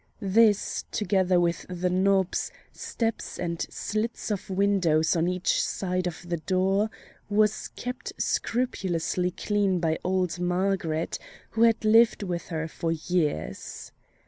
This, together with the knobs, steps, and slits of windows on each side of the door, was kept scrupulously clean by old Margaret, who had lived with her for years.